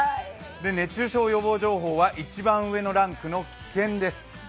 熱中症予防情報は一番上のランクの「危険」です。